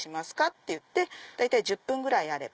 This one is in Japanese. って言って大体１０分ぐらいあれば。